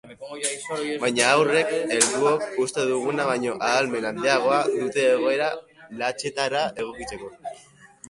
Baina haurrek helduok uste duguna baino ahalmen handiagoa dute egoera latzetara egokitzeko.